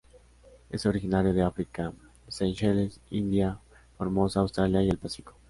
Es originario de África, Seychelles, India, Formosa, Australia,y el Pacífico.